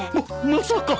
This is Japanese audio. ままさか！